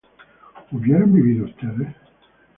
¿hubieran vivido ustedes?